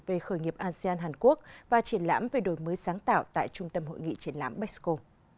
về khởi nghiệp asean hàn quốc và triển lãm về đổi mới sáng tạo tại trung tâm hội nghị triển lãm pesco